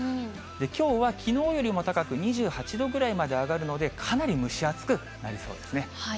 きょうはきのうよりも高く、２８度ぐらいまで上がるので、かなり蒸し暑くなりそうですね。